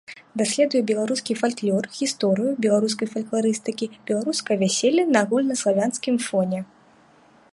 Даследуе беларускі фальклор, гісторыю беларускай фалькларыстыкі, беларускае вяселле на агульнаславянскім фоне.